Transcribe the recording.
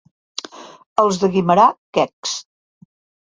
Els de Guimerà, quecs.